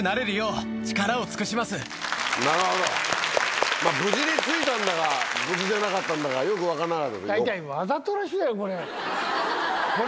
なるほど無事に着いたんだか無事じゃなかったんだかよく分からない。